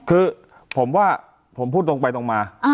คือผมว่าผมพูดตรงไปตรงมา